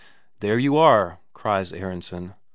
"There you are," cries Aronsen.